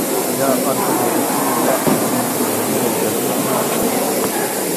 يا ئارقىغا يېنىشنى، يا ئالدىغا مېڭىشنى بىلەلمەي گاڭگىراپ قالدۇق.